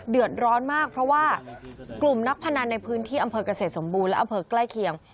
เดือดร้อนมากเพราะว่ากลุ่มนักพนันในพื้นที่อำเภอกเกษตรสมบูรณ์และอำเภอใกล้เคียง